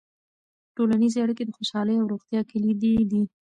ټولنیزې اړیکې د خوشحالۍ او روغتیا کلیدي دي.